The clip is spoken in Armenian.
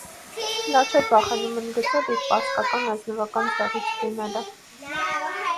Նա չէր վախենում ընդգծել իր՝ պարսկական ազնվական ցեղից լինելը։